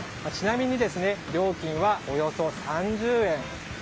ちなみに、料金はおよそ３０円。